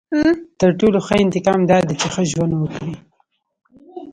• تر ټولو ښه انتقام دا دی چې ښه ژوند وکړې.